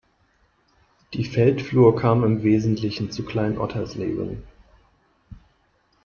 Die Feldflur kam im Wesentlichen zu Klein Ottersleben.